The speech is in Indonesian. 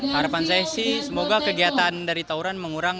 harapan saya sih semoga kegiatan dari tawuran mengurang